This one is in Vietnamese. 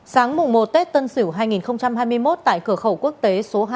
sáng mùng một tết tân sửu hai nghìn hai mươi một tại cửa khẩu quốc tế số hai